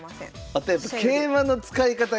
あとやっぱ桂馬の使い方が。